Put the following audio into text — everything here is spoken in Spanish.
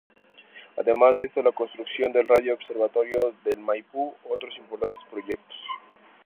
Además de esto, la construcción del Radio Observatorio de Maipú y otros importantes proyectos.